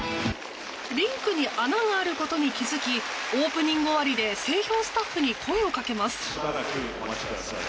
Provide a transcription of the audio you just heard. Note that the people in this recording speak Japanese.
リンクに穴があることに気づきオープニング終わりに整氷スタッフに声をかけます。